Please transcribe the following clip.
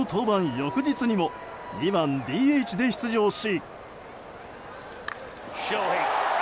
翌日にも２番ＤＨで出場し。